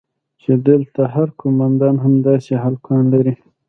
چې دلته هر قومندان همداسې هلکان لري.